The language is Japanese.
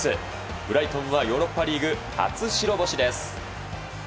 ブライトンはヨーロッパリーグ初白星です。